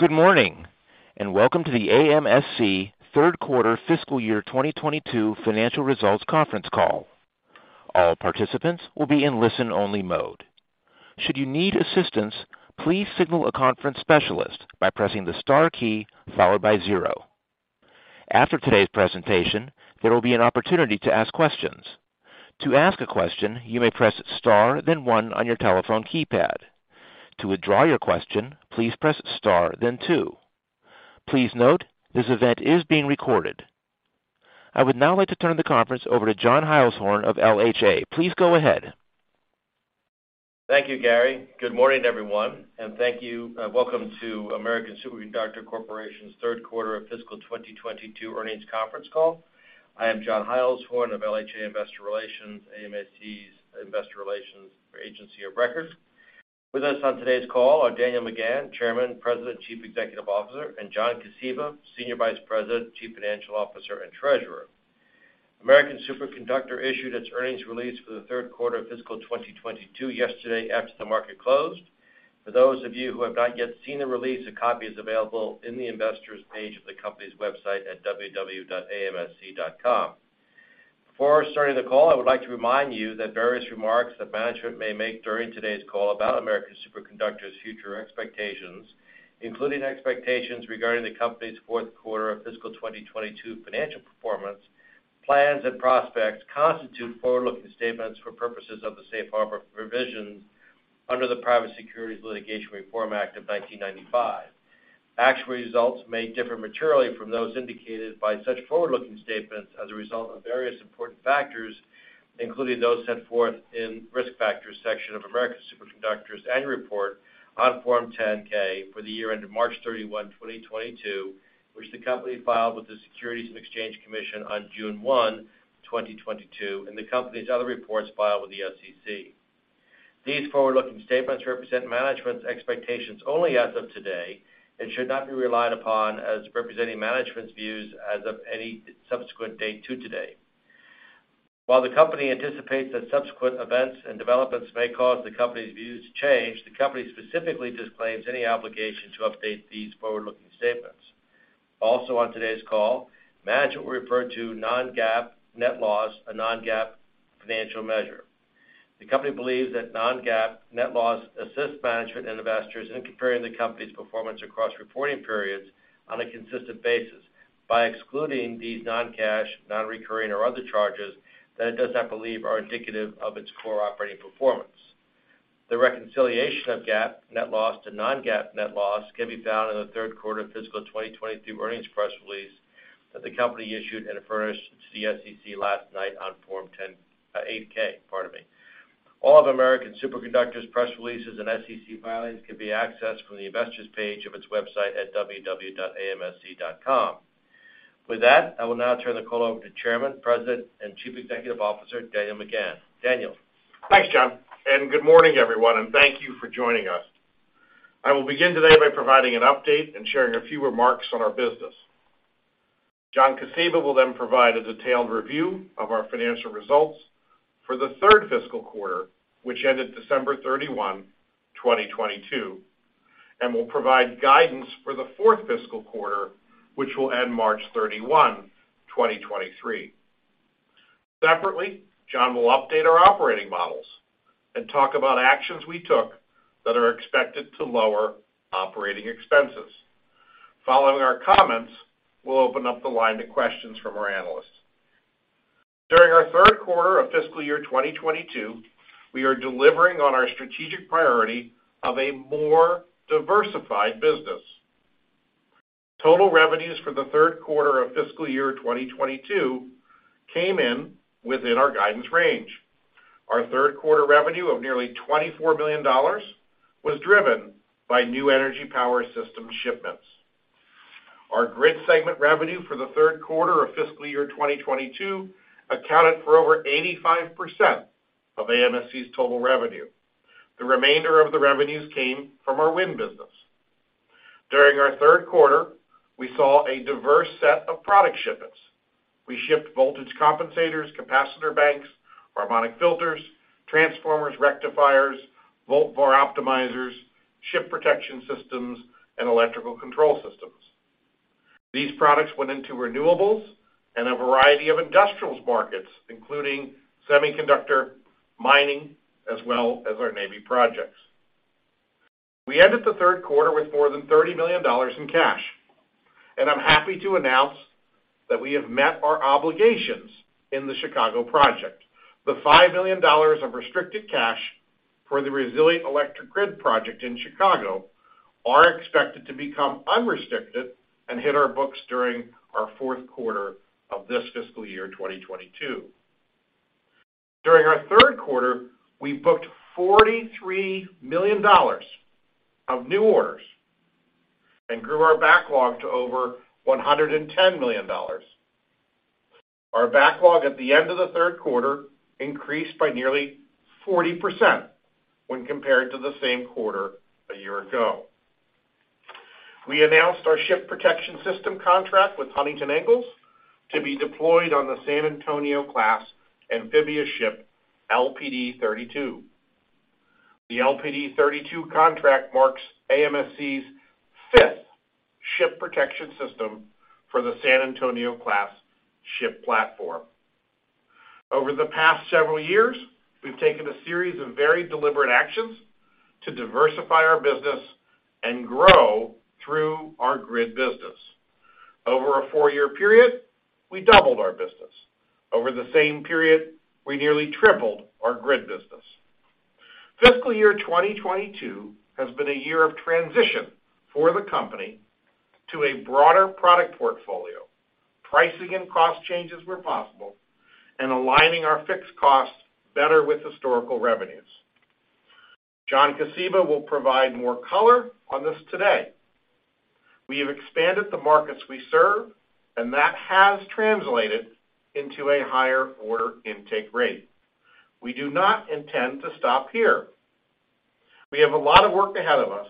Good morning. Welcome to the AMSC Q3 fiscal year 2022 financial results conference call. All participants will be in listen-only mode. Should you need assistance, please signal a conference specialist by pressing the star key followed by zero. After today's presentation, there will be an opportunity to ask questions. To ask a question, you may press star then one on your telephone keypad. To withdraw your question, please press star then two. Please note, this event is being recorded. I would now like to turn the conference over to John Heilshorn of LHA. Please go ahead. Thank you, Gary. Good morning, everyone, and thank you. Welcome to American Superconductor Corporation's Q3 of fiscal 2022 earnings conference call. I am John Heilshorn of LHA Investor Relations, AMSC's investor relations agency of record. With us on today's call are Daniel McGahn, Chairman, President, Chief Executive Officer, and John Kosiba, Senior Vice President, Chief Financial Officer, and Treasurer. American Superconductor issued its earnings release for the Q3 of fiscal 2022 yesterday after the market closed. For those of you who have not yet seen the release, a copy is available in the investors page of the company's website at www.amsc.com. Before starting the call, I would like to remind you that various remarks that management may make during today's call about American Superconductor's future expectations, including expectations regarding the company's Q4 of fiscal 2022 financial performance, plans and prospects constitute forward-looking statements for purposes of the safe harbor provisions under the Private Securities Litigation Reform Act of 1995. Actual results may differ materially from those indicated by such forward-looking statements as a result of various important factors, including those set forth in Risk Factors section of American Superconductor's annual report on Form 10-K for the year ended March 31, 2022, which the company filed with the Securities and Exchange Commission on June 1, 2022, and the company's other reports filed with the SEC. These forward-looking statements represent management's expectations only as of today and should not be relied upon as representing management's views as of any subsequent date to today. While the company anticipates that subsequent events and developments may cause the company's views to change, the company specifically disclaims any obligation to update these forward-looking statements. Also on today's call, management will refer to non-GAAP net loss, a non-GAAP financial measure. The company believes that non-GAAP net loss assists management and investors in comparing the company's performance across reporting periods on a consistent basis by excluding these non-cash, non-recurring or other charges that it does not believe are indicative of its core operating performance. The reconciliation of GAAP net loss to non-GAAP net loss can be found in the Q3 fiscal 2022 earnings press release that the company issued and furnished to the SEC last night on Form 8-K. Pardon me. All of American Superconductor's press releases and SEC filings can be accessed from the Investors page of its website at www.amsc.com. With that, I will now turn the call over to Chairman, President, and Chief Executive Officer, Daniel McGahn. Daniel. Thanks, John, and good morning, everyone, and thank you for joining us. I will begin today by providing an update and sharing a few remarks on our business. John Kosiba will then provide a detailed review of our financial results for the third fiscal quarter, which ended December 31, 2022, and will provide guidance for the fourth fiscal quarter, which will end March 31, 2023. Separately, John will update our operating models and talk about actions we took that are expected to lower operating expenses. Following our comments, we'll open up the line to questions from our analysts. During our Q3 of fiscal year 2022, we are delivering on our strategic priority of a more diversified business. Total revenues for the Q3 of fiscal year 2022 came in within our guidance range. Our Q3 revenue of nearly $24 million was driven by New Energy Power Systems shipments. Our Grid segment revenue for the Q3 of fiscal year 2022 accounted for over 85% of AMSC's total revenue. The remainder of the revenues came from our Wind business. During our Q3, we saw a diverse set of product shipments. We shipped voltage compensators, capacitor banks, harmonic filters, transformers, rectifiers, Volt/VAR optimizers, Ship Protection Systems, and Electrical Control Systems. These products went into renewables and a variety of industrials markets, including semiconductor, mining, as well as our Navy projects. We ended the Q3 with more than $30 million in cash, and I'm happy to announce that we have met our obligations in the Chicago project. The $5 million of restricted cash for the Resilient Electric Grid project in Chicago are expected to become unrestricted and hit our books during our Q4 of this fiscal year 2022. During our Q3, we booked $43 million of new orders and grew our backlog to over $110 million. Our backlog at the end of the Q3 increased by nearly 40% when compared to the same quarter a year ago. We announced our Ship Protection System contract with Huntington Ingalls to be deployed on the San Antonio class amphibious ship LPD-32. The LPD-32 contract marks AMSC's fifth Ship Protection System for the San Antonio class ship platform. Over the past several years, we've taken a series of very deliberate actions to diversify our business and grow through our Grid business. Over a four-year period, we doubled our business. Over the same period, we nearly tripled our Grid business. Fiscal year 2022 has been a year of transition for the company to a broader product portfolio. Pricing and cost changes were possible, and aligning our fixed costs better with historical revenues. John Kosiba will provide more color on this today. We have expanded the markets we serve. That has translated into a higher order intake rate. We do not intend to stop here. We have a lot of work ahead of us.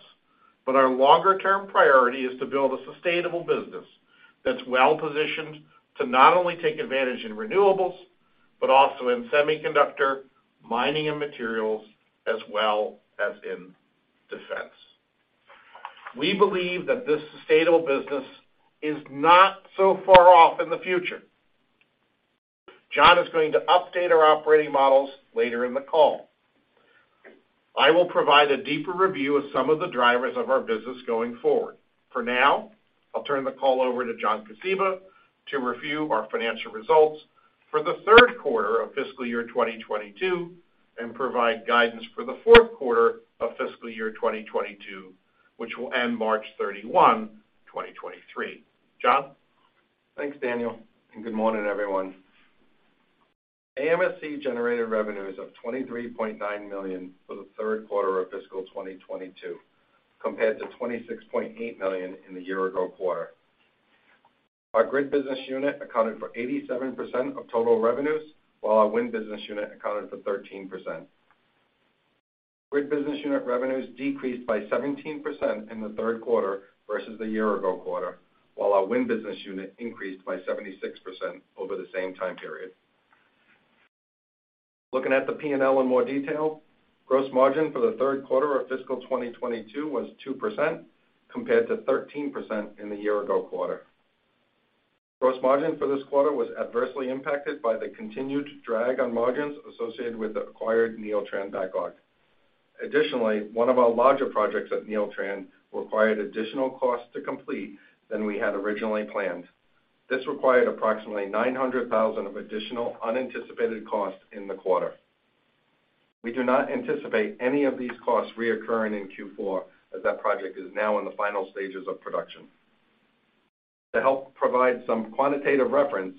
Our longer-term priority is to build a sustainable business that's well-positioned to not only take advantage in renewables, but also in semiconductor, mining and materials, as well as in defense. We believe that this sustainable business is not so far off in the future. John is going to update our operating models later in the call. I will provide a deeper review of some of the drivers of our business going forward. For now, I'll turn the call over to John Kosiba to review our financial results for the Q3 of fiscal year 2022 and provide guidance for the Q4 of fiscal year 2022, which will end March 31, 2023. John? Thanks, Daniel, and good morning, everyone. AMSC generated revenues of $23.9 million for the Q3 of fiscal 2022, compared to $26.8 million in the year-ago quarter. Our Grid business unit accounted for 87% of total revenues, while our Wind business unit accounted for 13%. Grid business unit revenues decreased by 17% in the Q3 versus the year-ago quarter, while our Wind business unit increased by 76% over the same time period. Looking at the P&L in more detail, gross margin for the Q3 of fiscal 2022 was 2% compared to 13% in the year-ago quarter. Gross margin for this quarter was adversely impacted by the continued drag on margins associated with the acquired Neeltran backlog. Additionally, one of our larger projects at Neeltran required additional costs to complete than we had originally planned. This required approximately $900,000 of additional unanticipated costs in the quarter. We do not anticipate any of these costs reoccurring in Q4 as that project is now in the final stages of production. To help provide some quantitative reference,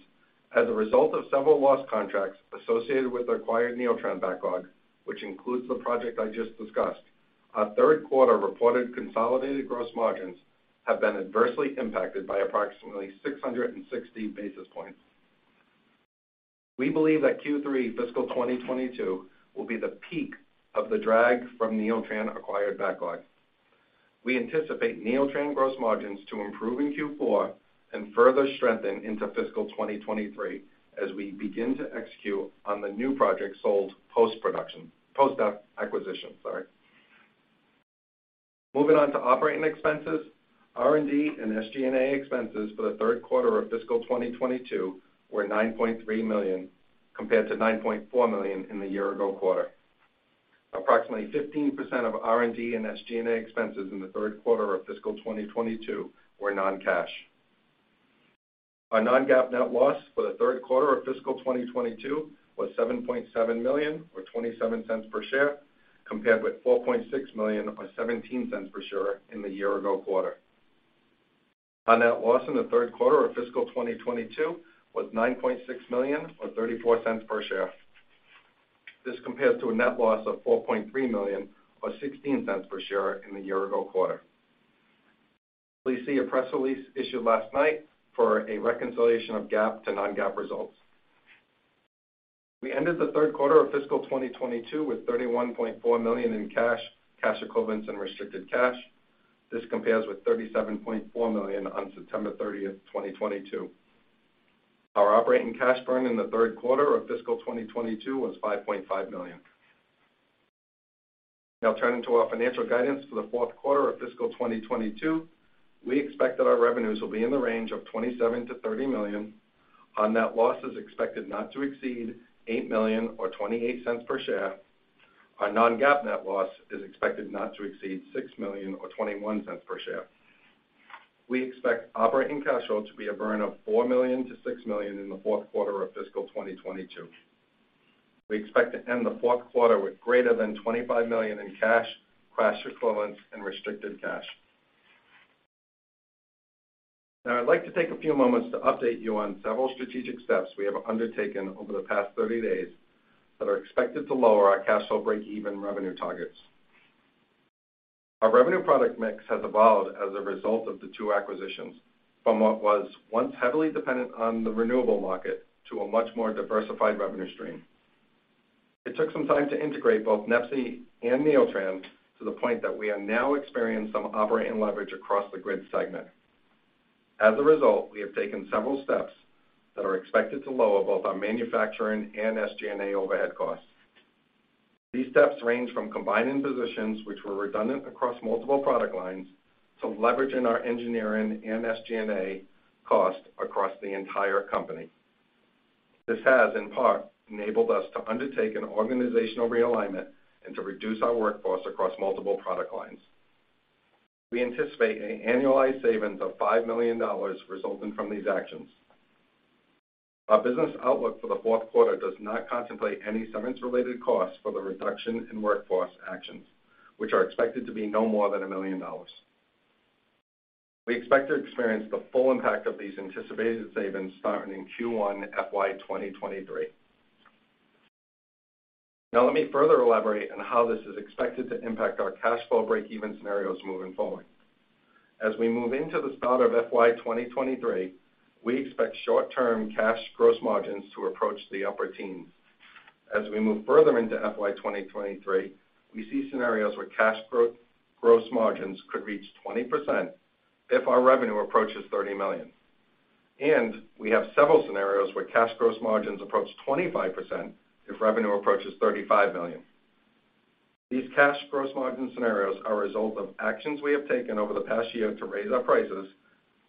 as a result of several lost contracts associated with the acquired Neeltran backlog, which includes the project I just discussed, our Q3 reported consolidated gross margins have been adversely impacted by approximately 660 basis points. We believe that Q3 fiscal 2022 will be the peak of the drag from Neeltran-acquired backlog. We anticipate Neeltran gross margins to improve in Q4 and further strengthen into fiscal 2023 as we begin to execute on the new projects sold post-production. Post-acquisition, sorry. Moving on to operating expenses, R&D and SG&A expenses for the Q3 of fiscal 2022 were $9.3 million, compared to $9.4 million in the year-ago quarter. Approximately 15% of R&D and SG&A expenses in the Q3 of fiscal 2022 were non-cash. Our non-GAAP net loss for the Q3 of fiscal 2022 was $7.7 million, or $0.27 per share, compared with $4.6 million, or $0.17 per share in the year-ago quarter. Our net loss in the Q3 of fiscal 2022 was $9.6 million, or $0.34 per share. This compares to a net loss of $4.3 million, or $0.16 per share in the year-ago quarter. Please see a press release issued last night for a reconciliation of GAAP to non-GAAP results. We ended the Q3 of fiscal 2022 with $31.4 million in cash equivalents, and restricted cash. This compares with $37.4 million on September 30, 2022. Our operating cash burn in the Q3 of fiscal 2022 was $5.5 million. Now turning to our financial guidance for the Q4 of fiscal 2022, we expect that our revenues will be in the range of $27 to 30 million. Our net loss is expected not to exceed $8 million or $0.28 per share. Our non-GAAP net loss is expected not to exceed $6 million or $0.21 per share. We expect operating cash flow to be a burn of $4 to 6 million in the Q4 of fiscal 2022. We expect to end the Q4 with greater than $25 million in cash equivalents, and restricted cash. Now I'd like to take a few moments to update you on several strategic steps we have undertaken over the past 30 days that are expected to lower our cash flow breakeven revenue targets. Our revenue product mix has evolved as a result of the two acquisitions from what was once heavily dependent on the renewable market to a much more diversified revenue stream. It took some time to integrate both NEPSI and Neeltran to the point that we are now experiencing some operating leverage across the Grid segment. As a result, we have taken several steps that are expected to lower both our manufacturing and SG&A overhead costs. These steps range from combining positions which were redundant across multiple product lines to leveraging our engineering and SG&A costs across the entire company. This has, in part, enabled us to undertake an organizational realignment and to reduce our workforce across multiple product lines. We anticipate an annualized savings of $5 million resulting from these actions. Our business outlook for the Q4 does not contemplate any severance-related costs for the reduction in workforce actions, which are expected to be no more than $1 million. We expect to experience the full impact of these anticipated savings starting in Q1 FY 2023. Let me further elaborate on how this is expected to impact our cash flow breakeven scenarios moving forward. As we move into the start of FY 2023, we expect short-term cash gross margins to approach the upper teens. As we move further into FY 2023, we see scenarios where cash gross margins could reach 20% if our revenue approaches $30 million. We have several scenarios where cash gross margins approach 25% if revenue approaches $35 million. These cash gross margin scenarios are a result of actions we have taken over the past year to raise our prices,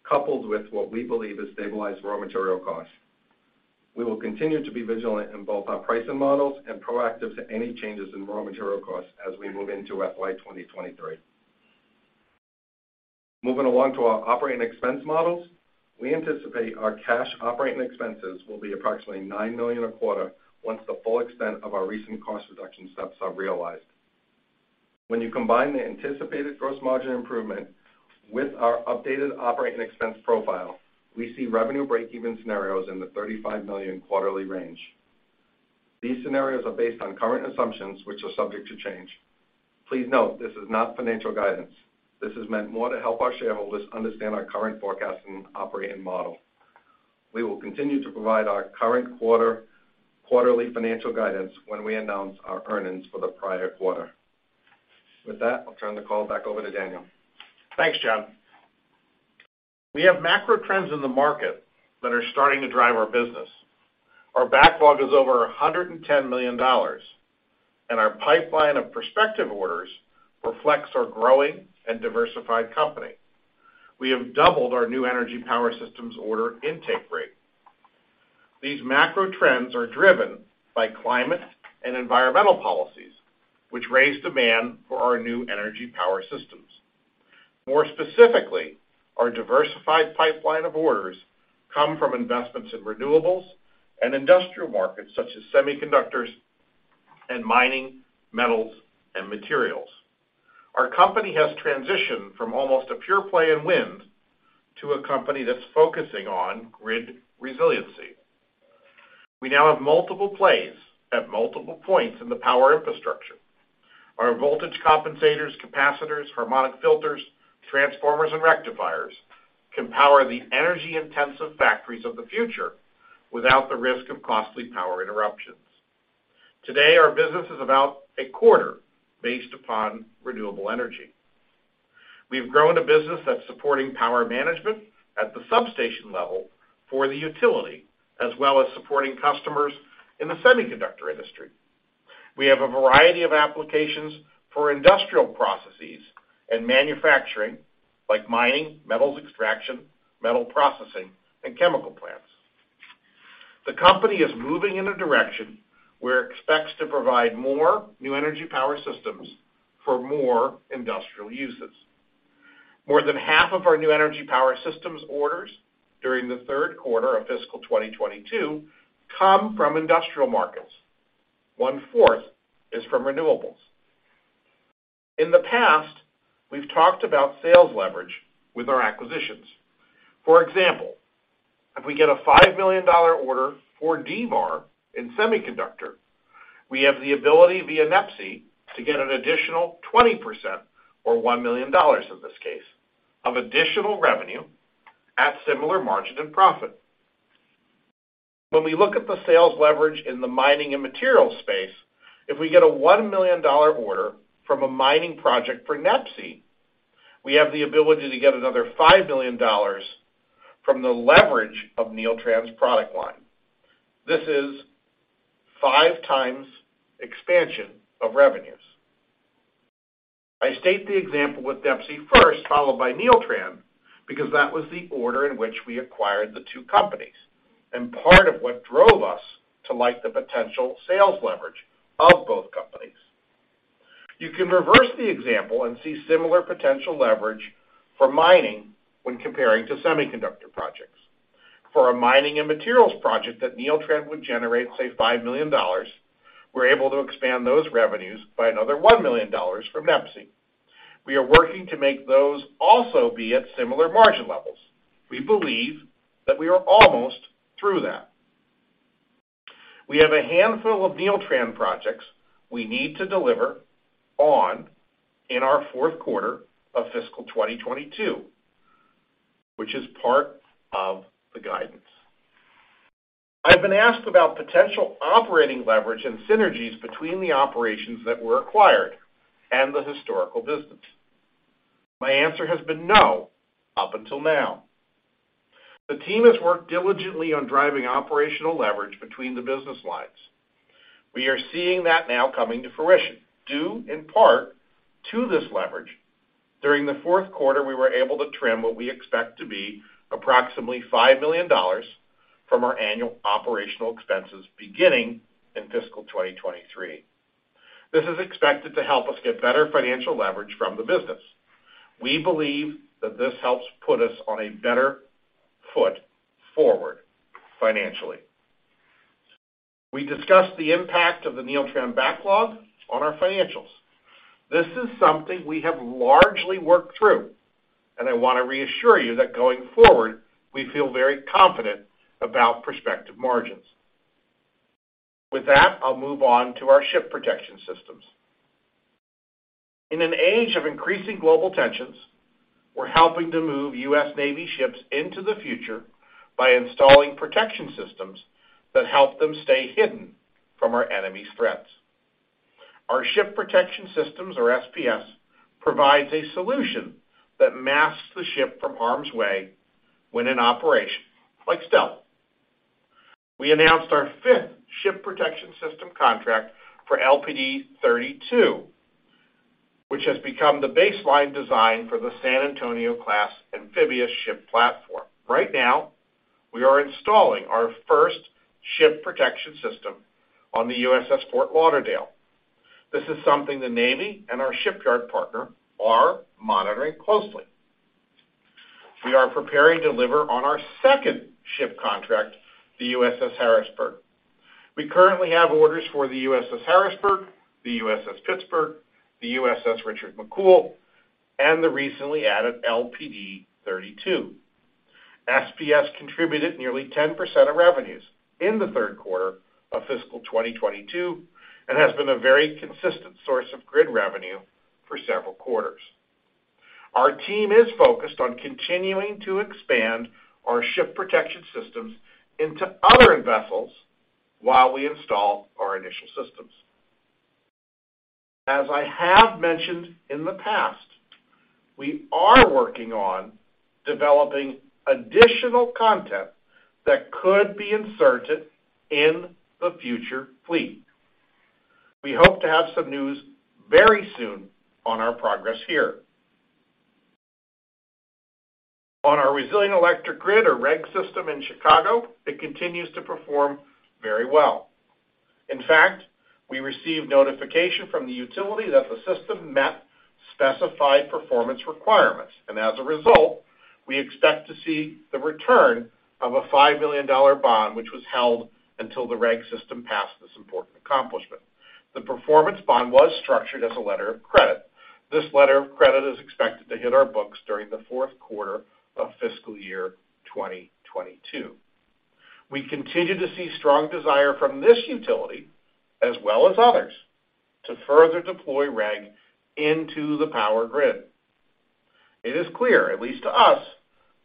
coupled with what we believe is stabilized raw material costs. We will continue to be vigilant in both our pricing models and proactive to any changes in raw material costs as we move into FY 2023. Moving along to our operating expense models, we anticipate our cash operating expenses will be approximately $9 million a quarter once the full extent of our recent cost reduction steps are realized. You combine the anticipated gross margin improvement with our updated operating expense profile, we see revenue breakeven scenarios in the $35 million quarterly range. These scenarios are based on current assumptions, which are subject to change. Please note, this is not financial guidance. This is meant more to help our shareholders understand our current forecasting operating model. We will continue to provide our current quarterly financial guidance when we announce our earnings for the prior quarter. With that, I'll turn the call back over to Daniel. Thanks, John. We have macro trends in the market that are starting to drive our business. Our backlog is over $110 million, and our pipeline of prospective orders reflects our growing and diversified company. We have doubled our New Energy Power Systems order intake rate. These macro trends are driven by climate and environmental policies, which raise demand for our New Energy Power Systems. More specifically, our diversified pipeline of orders come from investments in renewables and industrial markets, such as semiconductors and mining, metals, and materials. Our company has transitioned from almost a pure play in Wind to a company that's focusing on Grid resiliency. We now have multiple plays at multiple points in the power infrastructure. Our voltage compensators, capacitors, harmonic filters, transformers, and rectifiers can power the energy-intensive factories of the future without the risk of costly power interruptions. Today, our business is about a quarter based upon renewable energy. We've grown a business that's supporting power management at the substation level for the utility, as well as supporting customers in the semiconductor industry. We have a variety of applications for industrial processes and manufacturing, like mining, metals extraction, metal processing, and chemical plants. The company is moving in a direction where it expects to provide more New Energy Power Systems for more industrial uses. More than half of our New Energy Power Systems orders during the Q3 of fiscal 2022 come from industrial markets. One-fourth is from renewables. In the past, we've talked about sales leverage with our acquisitions. For example, if we get a $5 million order for D-VAR in semiconductor, we have the ability via NEPSI to get an additional 20%, or $1 million in this case, of additional revenue at similar margin and profit. When we look at the sales leverage in the mining and materials space, if we get a $1 million order from a mining project for NEPSI, we have the ability to get another $5 million from the leverage of Neeltran's product line. This is 5 times expansion of revenues. I state the example with NEPSI first, followed by Neeltran, because that was the order in which we acquired the two companies, and part of what drove us to like the potential sales leverage of both companies. You can reverse the example and see similar potential leverage for mining when comparing to semiconductor projects. For a mining and materials project that Neeltran would generate, say, $5 million, we're able to expand those revenues by another $1 million from NEPSI. We are working to make those also be at similar margin levels. We believe that we are almost through that. We have a handful of Neeltran projects we need to deliver on in our Q4 of fiscal 2022, which is part of the guidance. I've been asked about potential operating leverage and synergies between the operations that were acquired and the historical business. My answer has been no up until now. The team has worked diligently on driving operational leverage between the business lines. We are seeing that now coming to fruition. Due in part to this leverage, during the Q4, we were able to trim what we expect to be approximately $5 million from our annual operational expenses beginning in fiscal 2023. This is expected to help us get better financial leverage from the business. We believe that this helps put us on a better foot forward financially. We discussed the impact of the Neeltran backlog on our financials. This is something we have largely worked through, and I want to reassure you that going forward, we feel very confident about prospective margins. I'll move on to our Ship Protection Systems. In an age of increasing global tensions, we're helping to move U.S. Navy ships into the future by installing protection systems that help them stay hidden from our enemy's threats. Our Ship Protection Systems, or SPS, provides a solution that masks the ship from harm's way when in operation, like stealth. We announced our 5th Ship Protection System contract for LPD-32, which has become the baseline design for the San Antonio class amphibious ship platform. Right now, we are installing our first Ship Protection System on the USS Fort Lauderdale. This is something the Navy and our shipyard partner are monitoring closely. We are preparing to deliver on our second ship contract, the USS Harrisburg. We currently have orders for the USS Harrisburg, the USS Pittsburgh, the USS Richard McCool, and the recently added LPD-32. SPS contributed nearly 10% of revenues in the 3rd quarter of fiscal 2022 and has been a very consistent source of Grid revenue for several quarters. Our team is focused on continuing to expand our Ship Protection Systems into other vessels while we install our initial systems. As I have mentioned in the past, we are working on developing additional content that could be inserted in the future fleet. We hope to have some news very soon on our progress here. On our Resilient Electric Grid or REG system in Chicago, it continues to perform very well. In fact, we received notification from the utility that the system met specified performance requirements, and as a result, we expect to see the return of a $5 million bond, which was held until the REG system passed this important accomplishment. The performance bond was structured as a letter of credit. This letter of credit is expected to hit our books during the Q4 of fiscal year 2022. We continue to see strong desire from this utility as well as others to further deploy REG into the power grid. It is clear, at least to us,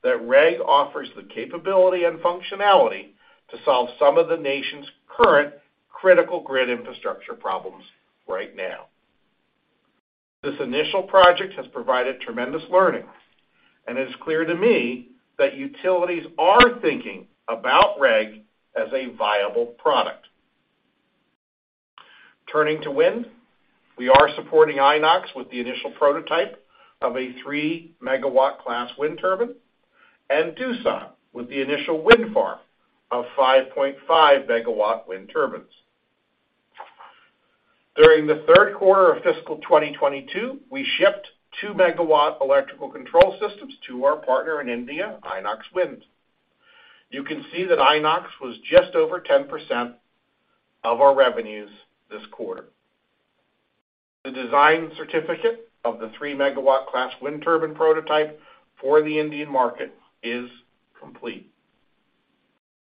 that REG offers the capability and functionality to solve some of the nation's current critical grid infrastructure problems right now. This initial project has provided tremendous learning, and it is clear to me that utilities are thinking about REG as a viable product. Turning to wind, we are supporting Inox with the initial prototype of a 3-megawatt class wind turbine, and Doosan with the initial wind farm of 5.5 megawatt wind turbines. During the Q3 of fiscal 2022, we shipped 2-megawatt Electrical Control Systems to our partner in India, Inox Wind. You can see that Inox was just over 10% of our revenues this quarter. The design certificate of the 3-megawatt class wind turbine prototype for the Indian market is complete.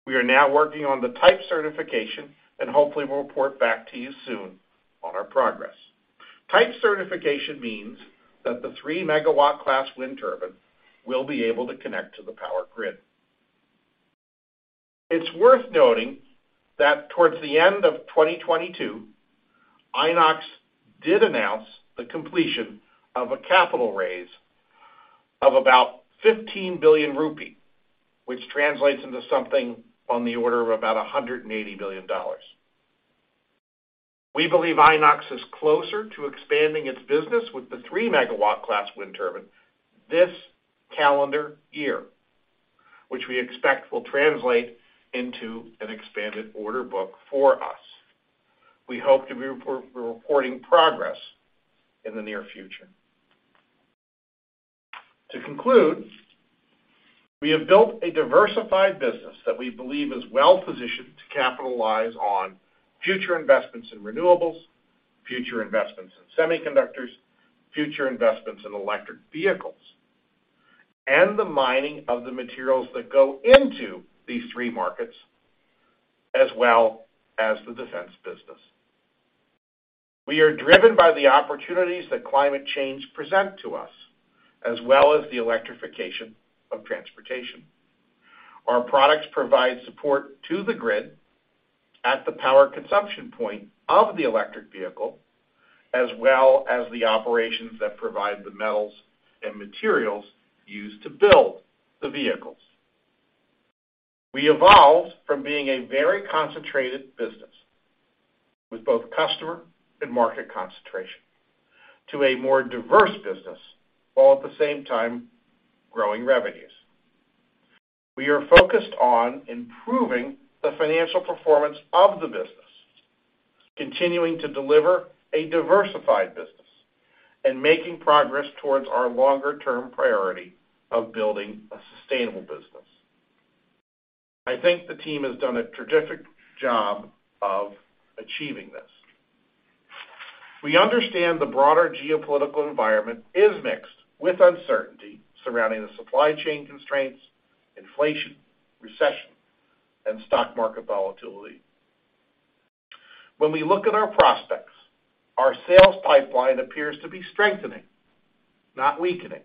We are now working on the type certification and hopefully will report back to you soon on our progress. Type certification means that the 3-megawatt class wind turbine will be able to connect to the power grid. It's worth noting that towards the end of 2022, Inox did announce the completion of a capital raise of about 15 billion rupee, which translates into something on the order of about $180 billion. We believe Inox is closer to expanding its business with the 3-megawatt class wind turbine this calendar year, which we expect will translate into an expanded order book for us. We hope to be re-reporting progress in the near future. To conclude, we have built a diversified business that we believe is well-positioned to capitalize on future investments in renewables, future investments in semiconductors, future investments in electric vehicles, and the mining of the materials that go into these three markets, as well as the defense business. We are driven by the opportunities that climate change present to us, as well as the electrification of transportation. Our products provide support to the grid at the power consumption point of the electric vehicle, as well as the operations that provide the metals and materials used to build the vehicles. We evolved from being a very concentrated business with both customer and market concentration to a more diverse business, while at the same time growing revenues. We are focused on improving the financial performance of the business, continuing to deliver a diversified business, and making progress towards our longer-term priority of building a sustainable business. I think the team has done a terrific job of achieving this. We understand the broader geopolitical environment is mixed with uncertainty surrounding the supply chain constraints, inflation, recession, and stock market volatility. When we look at our prospects, our sales pipeline appears to be strengthening, not weakening.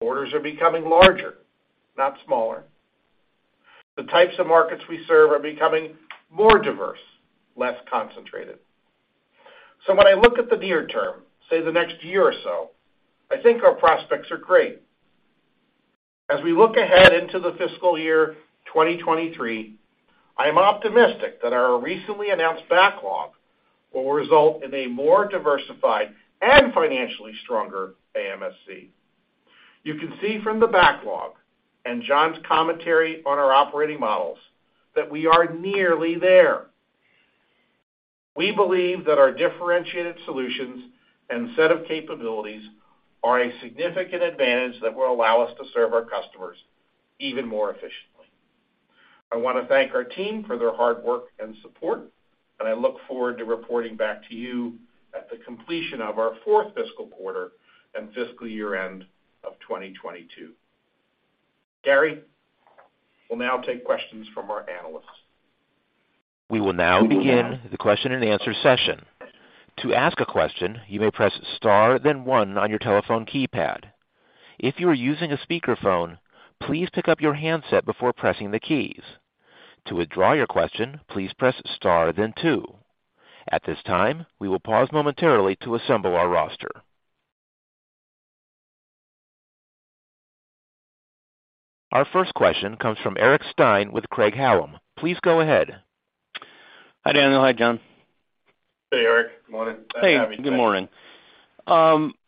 Orders are becoming larger, not smaller. The types of markets we serve are becoming more diverse, less concentrated. When I look at the near term, say the next year or so, I think our prospects are great. As we look ahead into the fiscal year 2023, I am optimistic that our recently announced backlog will result in a more diversified and financially stronger AMSC. You can see from the backlog and John's commentary on our operating models that we are nearly there. We believe that our differentiated solutions and set of capabilities are a significant advantage that will allow us to serve our customers even more efficiently. I want to thank our team for their hard work and support, and I look forward to reporting back to you at the completion of our 4th fiscal quarter and fiscal year-end of 2022. Gary, we'll now take questions from our analysts. We will now begin the question-and-answer session. To ask a question, you may press star then one on your telephone keypad. If you are using a speakerphone, please pick up your handset before pressing the keys. To withdraw your question, please press star then two. At this time, we will pause momentarily to assemble our roster. Our first question comes from Eric Stine with Craig-Hallum. Please go ahead. Hi, Daniel. Hi, John. Hey, Eric. Good morning. Glad to have you today. Good morning.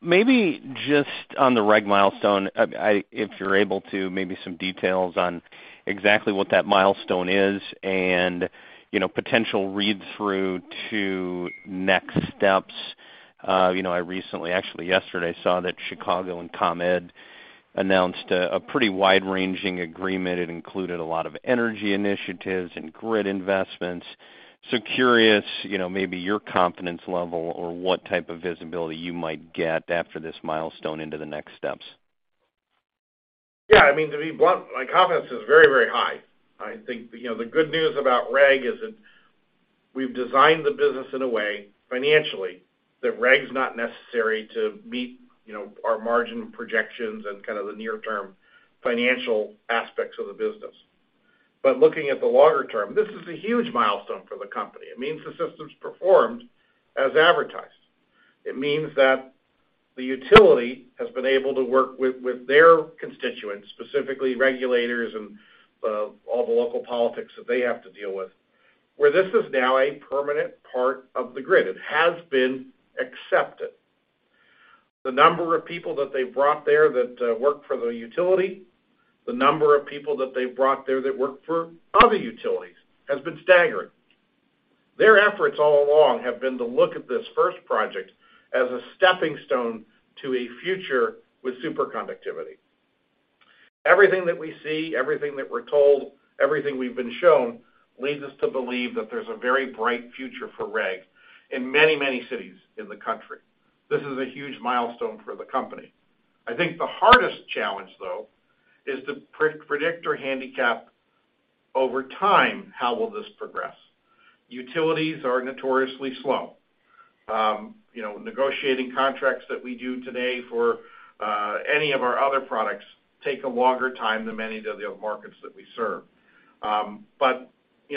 Maybe just on the REG milestone, if you're able to, maybe some details on exactly what that milestone is and potential read-through to next steps. I recently, actually yesterday, saw that Chicago and ComEd announced a pretty wide-ranging agreement. It included a lot of energy initiatives and Grid investments. curious maybe your confidence level or what type of visibility you might get after this milestone into the next steps. I mean, to be blunt, my confidence is very, very high. I think the good news about REG is that we've designed the business in a way financially that REG's not necessary to meet our margin projections and kind of the near-term financial aspects of the business. Looking at the longer term, this is a huge milestone for the company. It means the system's performed as advertised. It means that the utility has been able to work with their constituents, specifically regulators and all the local politics that they have to deal with, where this is now a permanent part of the grid. It has been accepted. The number of people that they've brought there that work for the utility, the number of people that they've brought there that work for other utilities has been staggering. Their efforts all along have been to look at this first project as a stepping stone to a future with superconductivity. Everything that we see, everything that we're told, everything we've been shown leads us to believe that there's a very bright future for REG in many, many cities in the country. This is a huge milestone for the company. I think the hardest challenge, though, is to pre-predict or handicap over time how will this progress. Utilities are notoriously slow. negotiating contracts that we do today for any of our other products take a longer time than many of the other markets that we serve.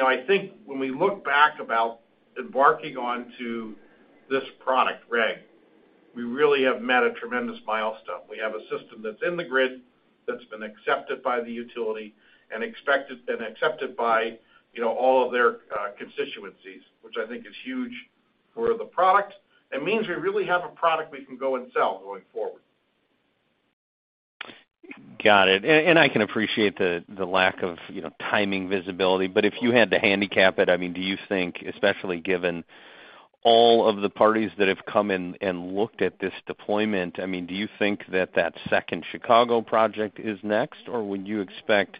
I think when we look back about embarking onto this product, REG, we really have met a tremendous milestone. We have a system that's in the Grid, that's been accepted by the utility and expected and accepted by all of their constituencies, which I think is huge for the product. It means we really have a product we can go and sell going forward. Got it. I can appreciate the lack of timing visibility. If you had to handicap it, do you think, especially given all of the parties that have come in and looked at this deployment, I mean, do you think that that second Chicago project is next? Would you expect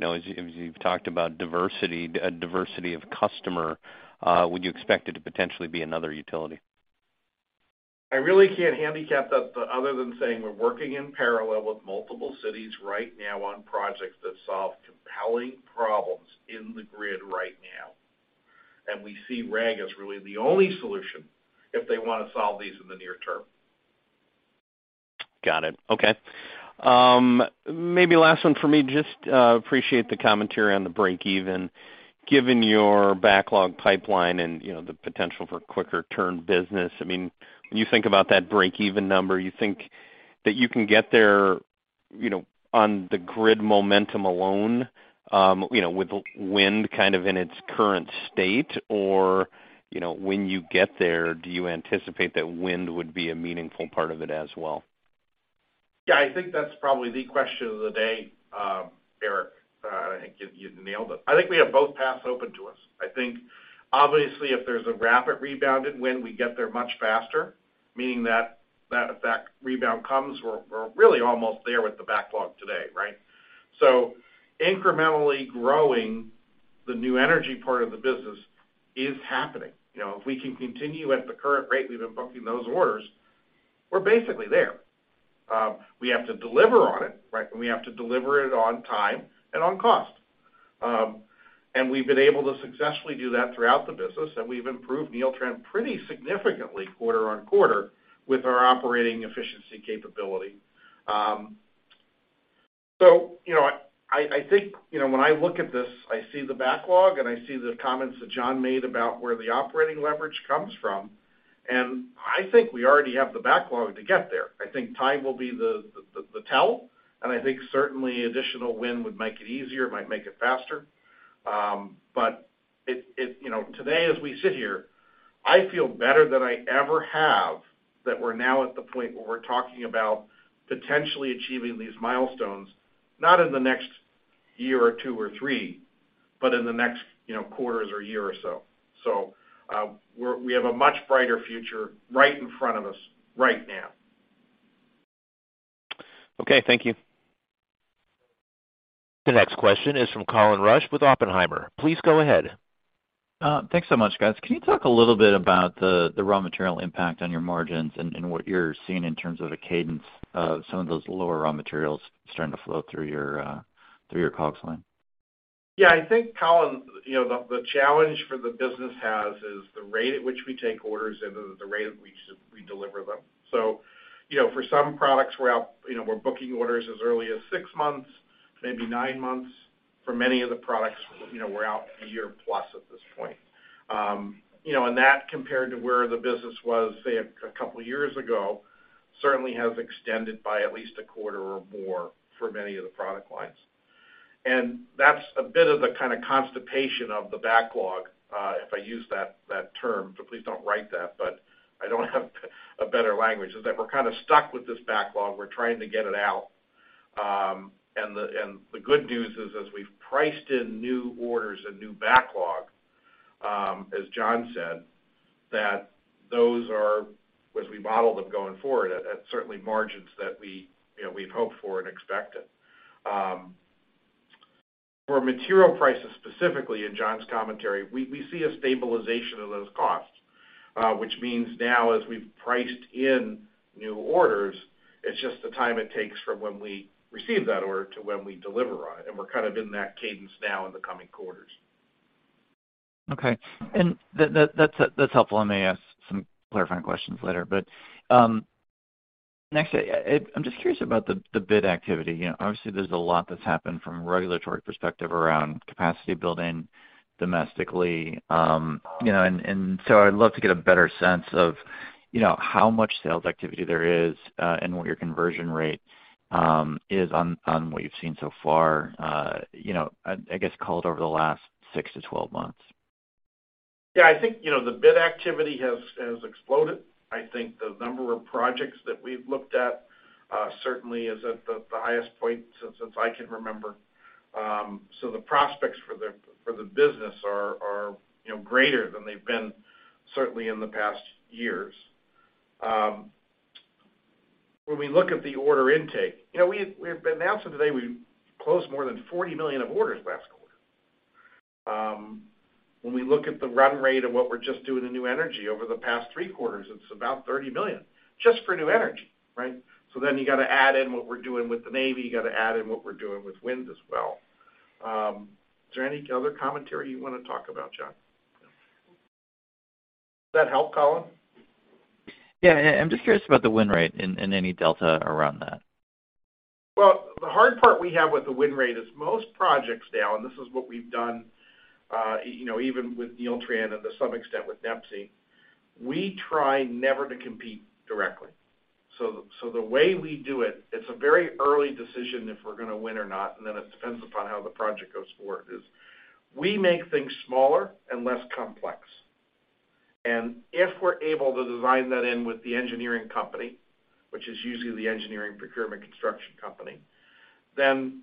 as you, as you've talked about diversity of customer, would you expect it to potentially be another utility? I really can't handicap that other than saying we're working in parallel with multiple cities right now on projects that solve compelling problems in the Grid right now. We see REG as really the only solution if they want to solve these in the near term. Got it. Okay. Maybe last one for me. Just appreciate the commentary on the break even. Given your backlog pipeline and the potential for quicker turn business, I mean, when you think about that break even number, you think that you can get there on the Grid momentum alone with Wind kind of in its current state, or when you get there, do you anticipate that Wind would be a meaningful part of it as well? Yeah, I think that's probably the question of the day, Eric. I think you nailed it. I think we have both paths open to us. I think obviously if there's a rapid rebound in Wind, we get there much faster, meaning that that effect rebound comes, we're really almost there with the backlog today, right? Incrementally growing the new energy part of the business is happening. if we can continue at the current rate we've been booking those orders, we're basically there. We have to deliver on it, right? We have to deliver it on time and on cost. We've been able to successfully do that throughout the business, and we've improved Neeltran pretty significantly quarter-on-quarter with our operating efficiency capability. I think when I look at this, I see the backlog, and I see the comments that John made about where the operating leverage comes from, and I think we already have the backlog to get there. I think time will be the tell, and I think certainly additional Wind would make it easier, might make it faster. today as we sit here, I feel better than I ever have that we're now at the point where we're talking about potentially achieving these milestones, not in the next year or two or three, but in the next quarters or year or so. We have a much brighter future right in front of us right now. Okay. Thank you. The next question is from Colin Rusch with Oppenheimer. Please go ahead. Thanks so much, guys. Can you talk a little bit about the raw material impact on your margins and what you're seeing in terms of the cadence of some of those lower raw materials starting to flow through your COGS line? Yeah, I think, Colin the challenge for the business has is the rate at which we take orders and the rate at which we deliver them. for some products we're out we're booking orders as early as 6 months, maybe 9 months. For many of the products we're out 1 year plus at this point. That compared to where the business was, say 2 years ago, certainly has extended by at least 1 quarter or more for many of the product lines. That's a bit of the kind of constipation of the backlog, if I use that term, so please don't write that, but I don't have a better language, is that we're kind of stuck with this backlog. We're trying to get it out. The good news is, as we've priced in new orders and new backlog, as John said, that those are, as we model them going forward, at certainly margins that we we'd hoped for and expected. For material prices specifically in John's commentary, we see a stabilization of those costs, which means now as we've priced in new orders, it's just the time it takes from when we receive that order to when we deliver on it, and we're kind of in that cadence now in the coming quarters. Okay. That's helpful, and I may ask some clarifying questions later, but next, I'm just curious about the bid activity. Obviously there's a lot that's happened from a regulatory perspective around capacity building domestically. So I'd love to get a better sense of how much sales activity there is, and what your conversion rate is on what you've seen so far I guess culled over the last six to 12 months. Yeah, I think the bid activity has exploded. I think the number of projects that we've looked at, certainly is at the highest point since I can remember. So the prospects for the business are greater than they've been certainly in the past years. When we look at the order intake we've been announcing today we closed more than $40 million of orders last quarter. When we look at the run rate of what we're just doing in New Energy over the past 3 quarters, it's about $30 million, just for New Energy, right? Then you got to add in what we're doing with the Navy, you got to add in what we're doing with Wind as well. Is there any other commentary you want to talk about, John? Does that help, Colin? Yeah. I'm just curious about the win rate and any delta around that. Well, the hard part we have with the win rate is most projects now, and this is what we've done even with Neeltran and to some extent with Doosan, we try never to compete directly. The way we do it's a very early decision if we're going to win or not, and then it depends upon how the project goes forward, is we make things smaller and less complex. If we're able to design that in with the engineering company, which is usually the engineering procurement construction company, then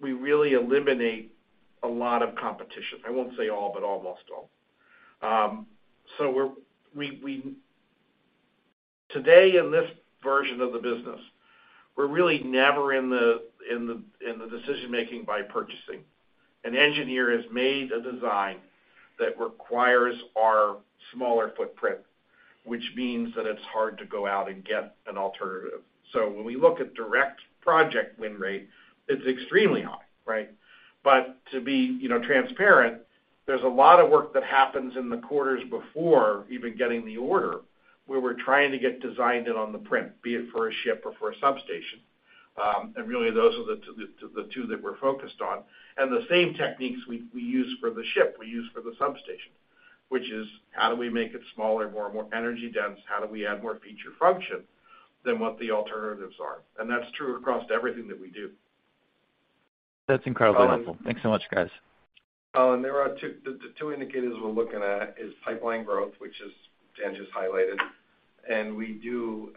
we really eliminate a lot of competition. I won't say all, but almost all. Today, in this version of the business. We're really never in the decision-making by purchasing. An engineer has made a design that requires our smaller footprint, which means that it's hard to go out and get an alternative. When we look at direct project win rate, it's extremely high, right? To be transparent, there's a lot of work that happens in the quarters before even getting the order, where we're trying to get designed in on the print, be it for a ship or for a substation. Really, those are the two that we're focused on. The same techniques we use for the ship, we use for the substation, which is how do we make it smaller, more and more energy-dense? How do we add more feature function than what the alternatives are? That's true across everything that we do. That's incredibly helpful. Um- Thanks so much, guys. There are the two indicators we're looking at is pipeline growth, which is Dan just highlighted. We do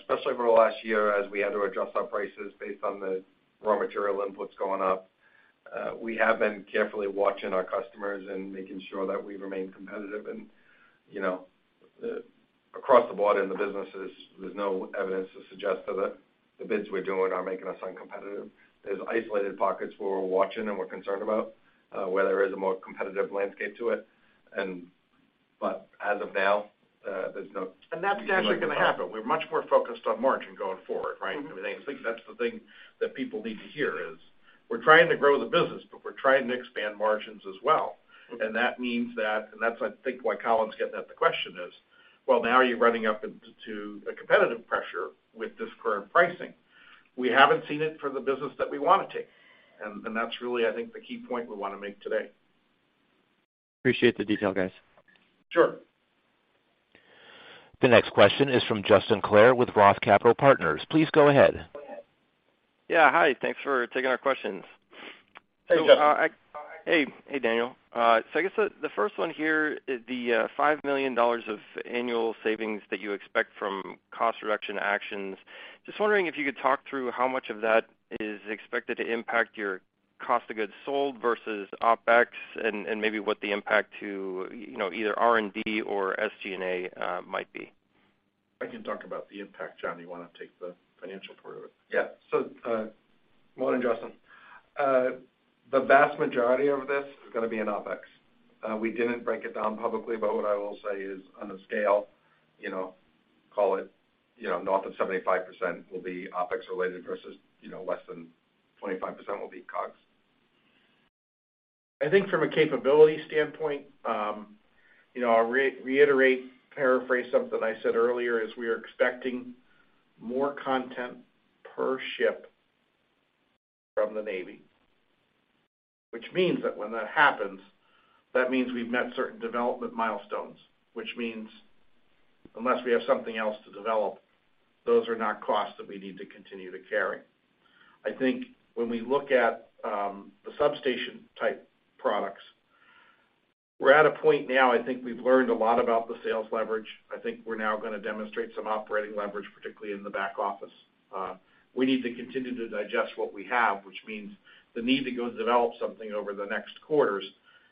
especially over the last year as we had to adjust our prices based on the raw material inputs going up, we have been carefully watching our customers and making sure that we remain competitive. across the board in the businesses, there's no evidence to suggest that the bids we're doing are making us uncompetitive. There's isolated pockets where we're watching and we're concerned about, where there is a more competitive landscape to it. As of now, there's no reason like to talk. That's naturally going to happen. We're much more focused on margin going forward, right? Mm-hmm. I mean, I think that's the thing that people need to hear is we're trying to grow the business, but we're trying to expand margins as well. Mm-hmm. That means and that's I think why Colin's getting at the question is, well, now you're running up into a competitive pressure with this current pricing. We haven't seen it for the business that we want to take, and that's really, I think, the key point we want to make today. Appreciate the detail, guys. Sure. The next question is from Justin Clare with Roth Capital Partners. Please go ahead. Yeah. Hi. Thanks for taking our questions. Hey, Justin. Hey. Hey, Daniel. I guess the first one here is the $5 million of annual savings that you expect from cost reduction actions. Just wondering if you could talk through how much of that is expected to impact your cost of goods sold versus OpEx and maybe what the impact to either R&D or SG&A might be. I can talk about the impact. John, you want to take the financial part of it? Morning, Justin. The vast majority of this is going to be in OpEx. We didn't break it down publicly, but what I will say is on a scale call it north of 75% will be OpEx related versus less than 25% will be COGS. I think from a capability standpoint I'll re-reiterate, paraphrase something I said earlier, is we are expecting more content per ship from the Navy, which means that when that happens, that means we've met certain development milestones, which means unless we have something else to develop, those are not costs that we need to continue to carry. I think when we look at the substation type products, we're at a point now, I think we've learned a lot about the sales leverage. I think we're now going to demonstrate some operating leverage, particularly in the back office. We need to continue to digest what we have, which means the need to go develop something over the next quarters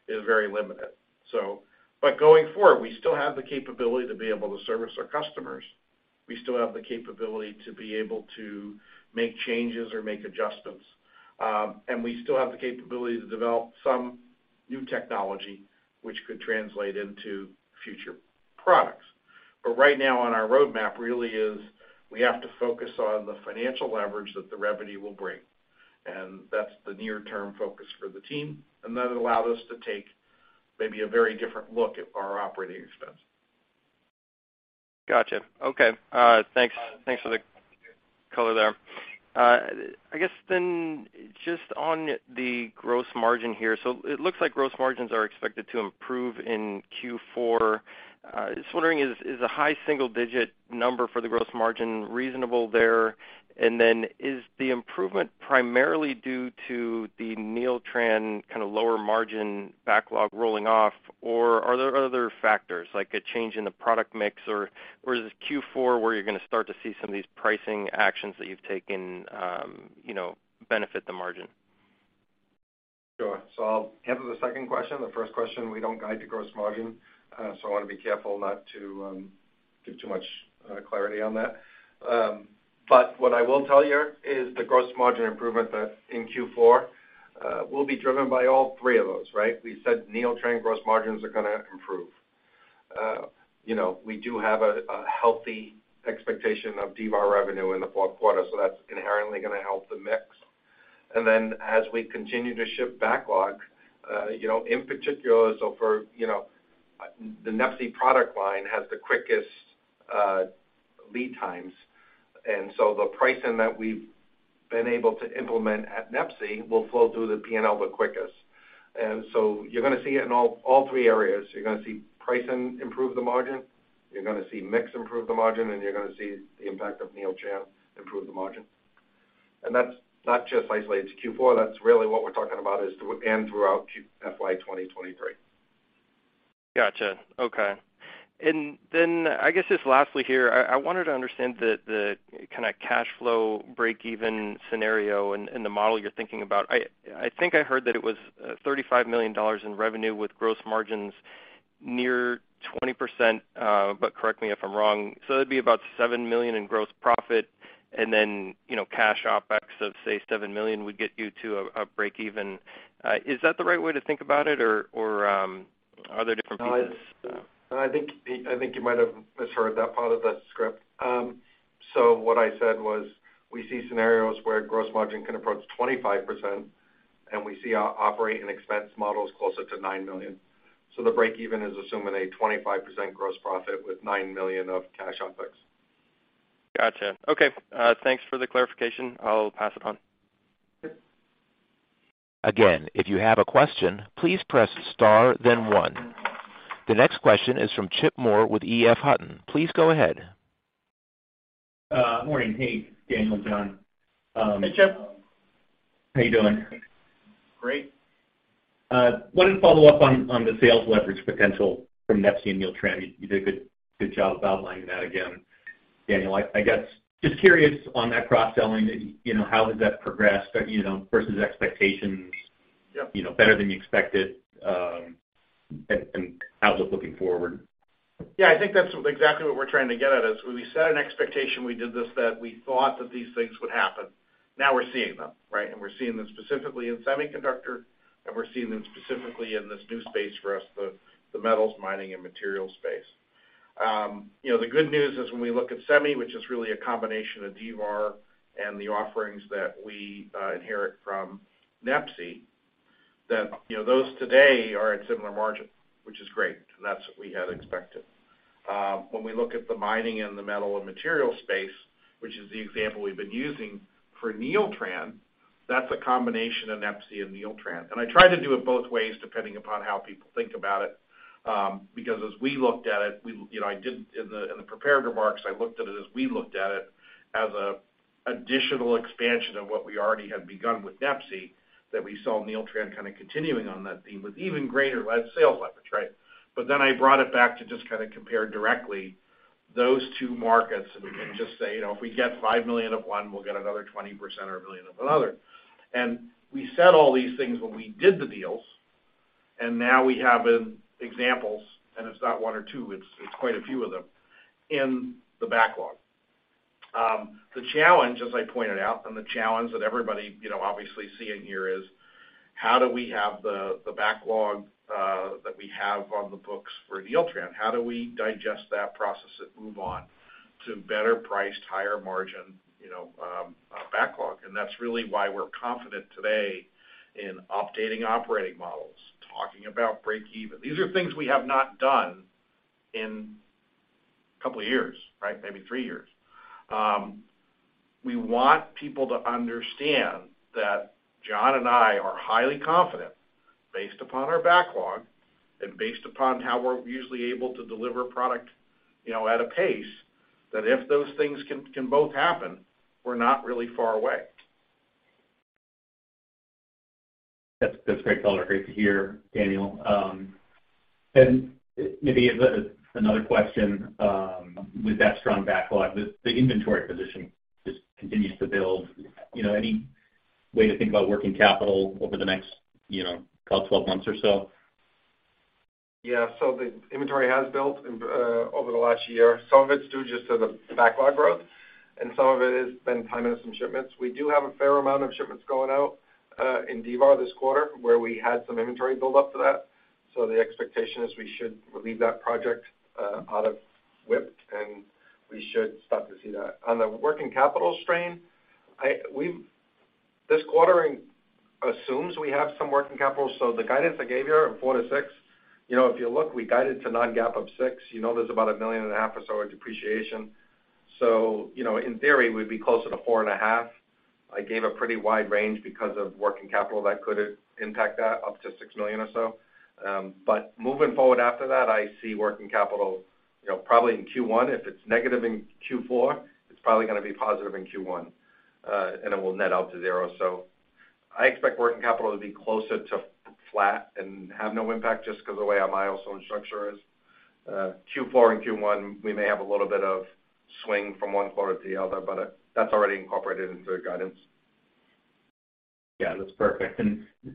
is very limited. Going forward, we still have the capability to be able to service our customers. We still have the capability to be able to make changes or make adjustments. We still have the capability to develop some new technology which could translate into future products. Right now on our roadmap really is we have to focus on the financial leverage that the revenue will bring, and that's the near term focus for the team. That allowed us to take maybe a very different look at our operating expense. Gotcha. Okay. Thanks for the color there. I guess then just on the gross margin here. It looks like gross margins are expected to improve in Q4. Just wondering, is a high single-digit number for the gross margin reasonable there? Is the improvement primarily due to the Neeltran kind of lower margin backlog rolling off, or are there other factors like a change in the product mix, or is it Q4 where you're going to start to see some of these pricing actions that you've taken benefit the margin? Sure. I'll answer the second question. The first question, we don't guide to gross margin, I want to be careful not to give too much clarity on that. What I will tell you is the gross margin improvement that in Q4 will be driven by all three of those, right? We said Neeltran gross margins are going to improve. we do have a healthy expectation of D-VAR revenue in the Q4, that's inherently going to help the mix. As we continue to ship backlog in particular the NEPSI product line has the quickest lead times. The pricing that we've been able to implement at NEPSI will flow through the P&L the quickest. You're going to see it in all three areas. You're going to see pricing improve the margin, you're going to see mix improve the margin, and you're going to see the impact of Neeltran improve the margin. That's not just isolated to Q4, that's really what we're talking about is throughout FY 2023. Gotcha. Okay. I guess just lastly here, I wanted to understand the kinda cash flow breakeven scenario and the model you're thinking about. I think I heard that it was $35 million in revenue with gross margins Near 20%. Correct me if I'm wrong. It'd be about $7 million in gross profit and then cash OPEX of, say, $7 million would get you to a break even. Is that the right way to think about it or, are there different pieces? No, I think, I think you might have misheard that part of the script. What I said was, we see scenarios where gross margin can approach 25%, and we see our operating expense models closer to $9 million. The break even is assuming a 25% gross profit with $9 million of cash OPEX. Gotcha. Okay. Thanks for the clarification. I'll pass it on. Okay. Again, if you have a question, please press star then one. The next question is from Chip Moore with EF Hutton. Please go ahead. Morning. Hey, Daniel and John. Hey, Chip. How you doing? Great. Wanted to follow up on the sales leverage potential from NEPSI and Neeltran. You did a good job outlining that again. Daniel, I guess just curious on that cross-selling how has that progressed versus expectations? Yep. better than you expected, and outlook looking forward. Yeah, I think that's exactly what we're trying to get at is when we set an expectation, we did this, that we thought that these things would happen. Now we're seeing them, right? We're seeing them specifically in semiconductor, and we're seeing them specifically in this new space for us, the metals, mining, and materials space. The good news is when we look at semi, which is really a combination of D-VAR and the offerings that we inherit from NEPSI, that those today are at similar margin, which is great. That's what we had expected. When we look at the mining and the metal and material space, which is the example we've been using for Neeltran, that's a combination of NEPSI and Neeltran. I try to do it both ways, depending upon how people think about it. As we looked at it, we I did in the prepared remarks, I looked at it as we looked at it as a additional expansion of what we already had begun with NEPSI, that we saw Neeltran kind of continuing on that theme with even greater sales leverage, right? I brought it back to just kinda compare directly those two markets, and we can just say if we get $5 million of one, we'll get another 20% or $1 million of another. We said all these things when we did the deals, and now we have an examples, and it's not one or two, it's quite a few of them, in the backlog. The challenge, as I pointed out, and the challenge that everybody obviously seeing here is, how do we have the backlog, that we have on the books for Neeltran? How do we digest that process and move on to better priced, higher margin backlog? That's really why we're confident today in updating operating models, talking about break even. These are things we have not done in couple years, right? Maybe 3 years. We want people to understand that John and I are highly confident based upon our backlog and based upon how we're usually able to deliver product at a pace, that if those things can both happen, we're not really far away. That's great color. Great to hear, Daniel. maybe as another question, with that strong backlog, the inventory position just continues to build. any way to think about working capital over the next about 12 months or so? The inventory has built over the last year. Some of it's due just to the backlog growth, and some of it has been timing of some shipments. We do have a fair amount of shipments going out in D-VAR this quarter, where we had some inventory build up to that. The expectation is we should leave that project out of WIP, and we should start to see that. On the working capital strain, this quarter assumes we have some working capital. The guidance I gave you of 4 to 6 if you look, we guided to non-GAAP of 6. There's about $1.5 million or so of depreciation. in theory we'd be closer to 4.5. I gave a pretty wide range because of working capital that could impact that up to $6 million or so. Moving forward after that, I see working capital probably in Q1. If it's negative in Q4, it's probably going to be positive in Q1, and it will net out to 0. I expect working capital to be closer to flat and have no impact just 'cause of the way our milestone structure is. Q4 and Q1, we may have a little bit of swing from one quarter to the other, but that's already incorporated into the guidance. Yeah, that's perfect.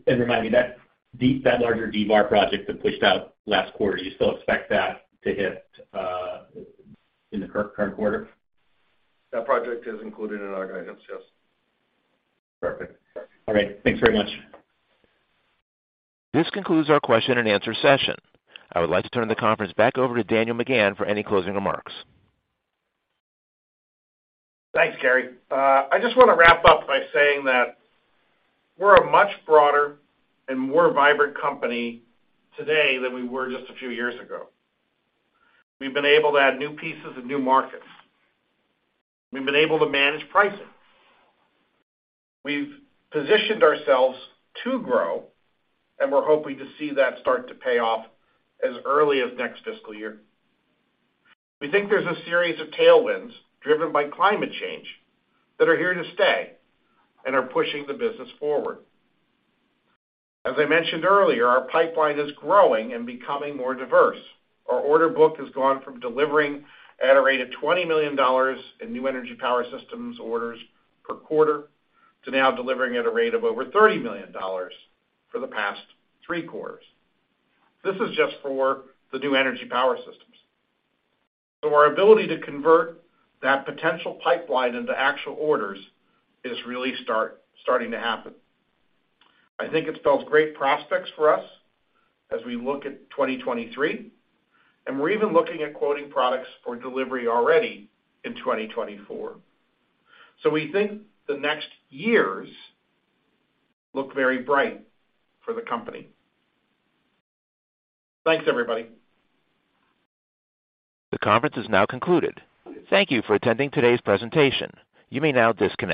Remind me, that larger D-VAR project that pushed out last quarter, you still expect that to hit, in the current quarter? That project is included in our guidance. Yes. Perfect. All right. Thanks very much. This concludes our question and answer session. I would like to turn the conference back over to Daniel McGahn for any closing remarks. Thanks, Gary. I just want to wrap up by saying that we're a much broader and more vibrant company today than we were just a few years ago. We've been able to add new pieces and new markets. We've been able to manage pricing. We've positioned ourselves to grow. We're hoping to see that start to pay off as early as next fiscal year. We think there's a series of tailwinds driven by climate change that are here to stay and are pushing the business forward. As I mentioned earlier, our pipeline is growing and becoming more diverse. Our order book has gone from delivering at a rate of $20 million in New Energy Power Systems orders per quarter to now delivering at a rate of over $30 million for the past three quarters. This is just for the New Energy Power Systems. Our ability to convert that potential pipeline into actual orders is really starting to happen. I think it spells great prospects for us as we look at 2023, and we're even looking at quoting products for delivery already in 2024. We think the next years look very bright for the company. Thanks, everybody. The conference is now concluded. Thank you for attending today's presentation. You may now disconnect.